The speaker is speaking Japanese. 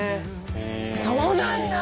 そうなんだ！